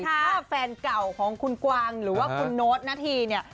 ถ้าแฟนเก่าของคุณกวางหรือว่าคุณโน๊ตนาธีเนี่ย